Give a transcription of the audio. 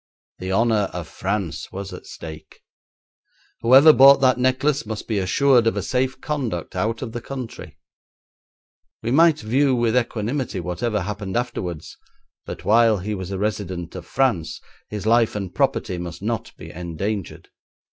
The honour of France was at stake. Whoever bought that necklace must be assured of a safe conduct out of the country. We might view with equanimity whatever happened afterwards, but while he was a resident of France his life and property must not be endangered.